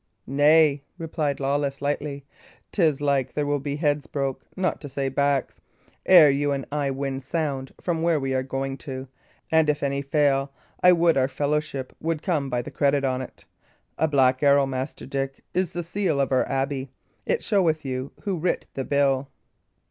"Nay," replied Lawless, lightly, "'tis like there will be heads broke not to say backs ere you and I win sound from where we're going to; and if any fall, I would our fellowship should come by the credit on't. A black arrow, Master Dick, is the seal of our abbey; it showeth you who writ the bill."